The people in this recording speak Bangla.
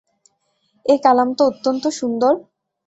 এ কালাম তো অত্যন্ত সুন্দর!